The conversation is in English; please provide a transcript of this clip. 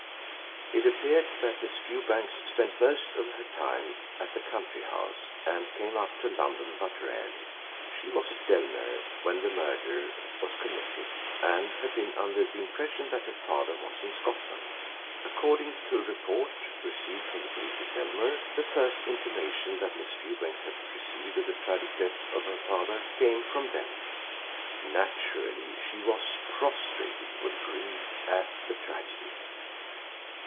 It appeared that Miss Fewbanks spent most of her time at the country house and came up to London but rarely. She was at Dellmere when the murder was committed, and had been under the impression that her father was in Scotland. According to a report received from the police at Dellmere the first intimation that Miss Fewbanks had received of the tragic death of her father came from them. Naturally, she was prostrated with grief at the tragedy.